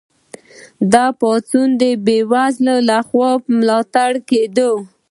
دا پاڅون د بې وزلو لخوا ملاتړ کیده.